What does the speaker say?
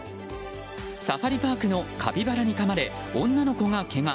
サファリパークのカピバラにかまれ女の子がけが。